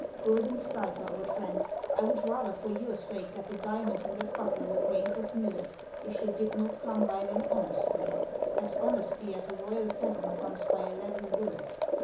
Guidon Stayper, old friend, I would rather for your sake that the diamonds in that buckle were grains of millet, if you did not come by them honestly, — as honestly as a royal pheasant comes by a leaden bullet."